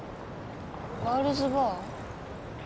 ガールズバー？